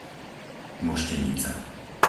Moštenica